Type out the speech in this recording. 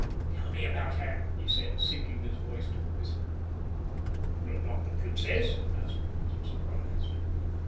"Tell me about her!" he said, sinking his voice to a whisper. "About the Princess?" asked Winston, surprised.